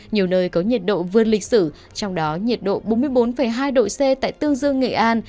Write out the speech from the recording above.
nhiều nơi có nhiệt độ vươn lịch sử trong đó nhiệt độ bốn mươi bốn hai độ c tại tương dương nghệ an